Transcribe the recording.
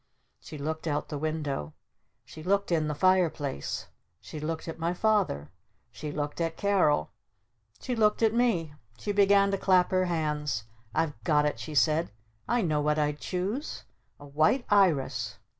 She looked out the window. She looked in the fire place. She looked at my Father. She looked at Carol. She looked at me. She began to clap her hands. "I've got it!" she said. "I know what I'd choose! A White Iris!